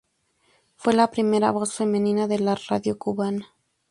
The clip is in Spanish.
Fue la primera voz femenina de la radio cubana.